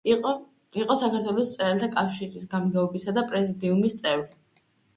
იყო საქართველოს მწერალთა კავშირის გამგეობისა და პრეზიდიუმის წევრი.